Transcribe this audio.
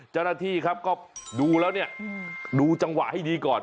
เจ้าหน้าที่ครับก็ดูแล้วเนี่ยดูจังหวะให้ดีก่อน